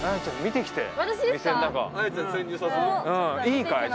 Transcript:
いいかい？